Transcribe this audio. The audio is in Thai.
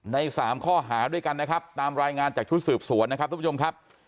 ในสามข้อหาด้วยกันนะครับตามรายงานจากชุดสืบสวนนะครับทุกผู้ชมครับ